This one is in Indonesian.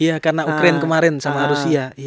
iya karena ukraine kemarin sama rusia